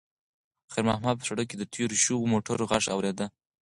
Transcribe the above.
خیر محمد په سړک کې د تېرو شویو موټرو غږ اورېده.